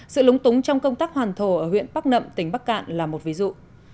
sự lúng túng trong công tác hoàn thổ ở huyện bắc nậm tỉnh bắc cạn là một ví dụ